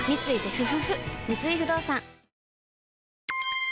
三井不動産